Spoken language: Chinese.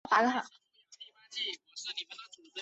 只有通过赫拉迪方块和正确的物品配方才能合成。